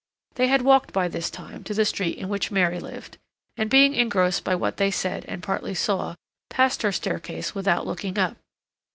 They had walked by this time to the street in which Mary lived, and being engrossed by what they said and partly saw, passed her staircase without looking up.